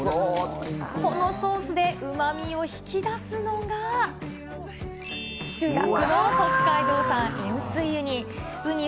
このソースでうまみを引き出すのが、主役の北海道産、塩水ウニ。